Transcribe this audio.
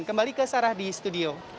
kembali ke sarah di studio